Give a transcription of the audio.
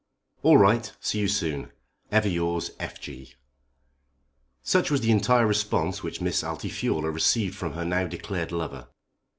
"All right. See you soon. Ever yours, F. G." Such was the entire response which Miss Altifiorla received from her now declared lover.